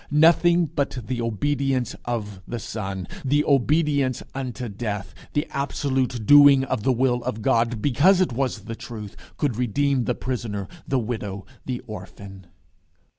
Nothing but the obedience of the Son, the obedience unto the death, the absolute doing of the will of God because it was the truth, could redeem the prisoner, the widow, the orphan.